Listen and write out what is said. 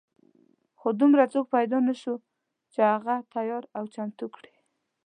خو دومره څوک پیدا نه شو چې هغه تیار او چمتو کړي.